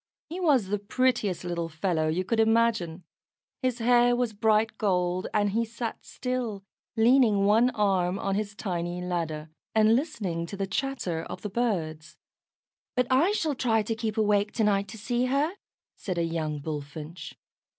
He was the prettiest little fellow you could imagine. His hair was bright gold, and he sat still, leaning one arm on his tiny ladder, and listening to the chatter of the birds. "But I shall try to keep awake to night to see her," said a young Bullfinch.